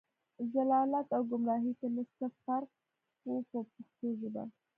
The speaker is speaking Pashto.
ضلالت او ګمراهۍ کې نه څه فرق و په پښتو ژبه.